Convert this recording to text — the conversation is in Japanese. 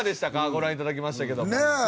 ご覧いただきましたけども。